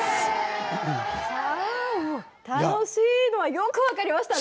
楽しいのはよく分かりましたね。